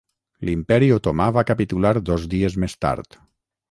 L'Imperi Otomà va capitular dos dies més tard.